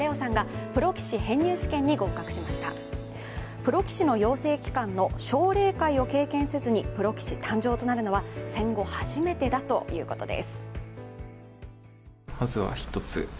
プロ棋士の養成会の奨励会を経験せずにプロ棋士誕生となるのは戦後初めてだということです。